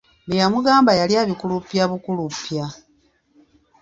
Bye yamugamba yali abikuluppya bukuluppya.